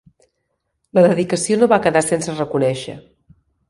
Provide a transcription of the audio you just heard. La dedicació no va quedar sense reconèixer.